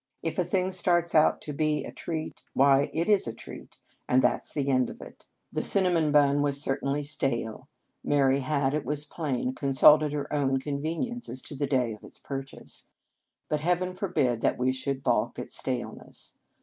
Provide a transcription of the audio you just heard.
If a thing starts out to be a treat, why, it is a treat, and that s the end of it. The cinnamon bun was cer 136 Un Conge sans Cloche tainly stale (Mary had, it was plain, consulted her own convenience as to the day of its purchase), but Heaven forbid that we should balk at staleness.